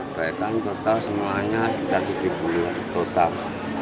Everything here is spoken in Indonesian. perbaikan total semuanya sekitar tujuh puluh total